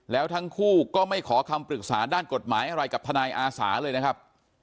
แล้วทั้งคู่ก็ไม่ขอคำปรึกษาด้านกฎหมายอะไรกับทนายอาสาเลยนะครับ